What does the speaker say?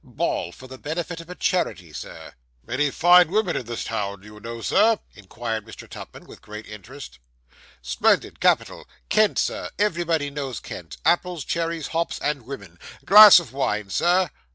Ball for the benefit of a charity, Sir.' 'Many fine women in this town, do you know, Sir?' inquired Mr. Tupman, with great interest. 'Splendid capital. Kent, sir everybody knows Kent apples, cherries, hops, and women. Glass of wine, Sir!